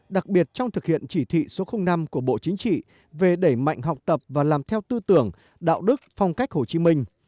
đặc biệt trong thực hiện chỉ thị số năm của bộ chính trị về đẩy mạnh học tập và làm theo tư tưởng đạo đức phong cách hồ chí minh